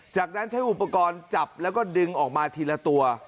จากนั้นใช้อุปกรณ์จับแล้วก็ดึงออกมาทีละตัว